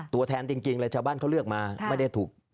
ตัวแทนจริงเลยชาวบ้านเขาเลือกมาไม่ได้ถูก